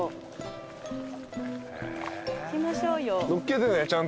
行きましょうよ。